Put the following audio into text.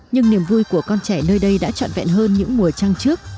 nhưng niềm vui của con trẻ nơi đây đã trọn vẹn hơn những mùa trang trước